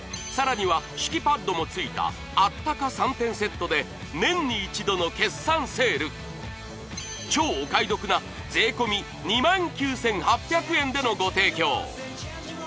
さらには敷きパッドもついたあったか３点セットで年に１度の決算セール超お買い得な税込２９，８００円でのご提供